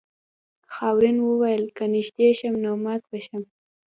خاورین وویل که نږدې شم نو مات به شم.